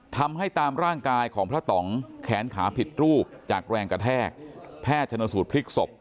ทำให้ตามร่างกายของพระต่องแขนขาผิดรูปจากแรงกระแทกแพทย์ชนสูตรพลิกศพ